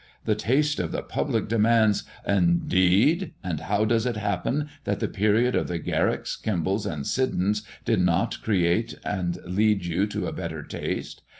The taste of the public demands " "Indeed! and how does it happen that the period of the Garricks, Kembles, and Siddons did not create and lead you to a better taste?